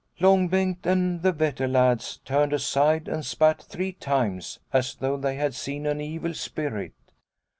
" Long Bengt and the Vetter lads turned aside and spat three times as though they had seen an evil spirit.